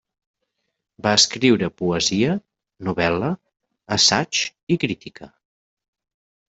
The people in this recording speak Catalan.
Va escriure poesia, novel·la, assaig i crítica.